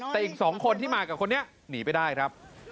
แต่อีก๒คนที่มากับคนนี้หนีไปได้ครับ